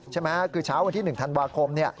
ใช่ไหมคือเช้าวันที่๑ธันวาคม